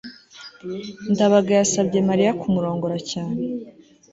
ndabaga yasabye mariya kumurongora cyane